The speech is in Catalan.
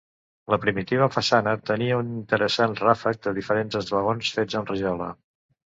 La primitiva façana tenia un interessant ràfec de diferents esglaons fets amb rajola.